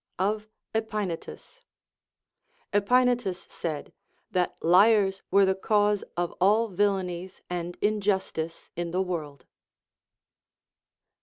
Of Epaenetus. Epaenetus said that liars were the cause of all villanies and injustice in the Avorld.